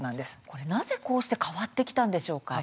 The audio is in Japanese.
なぜこうして変わってきたんでしょうか？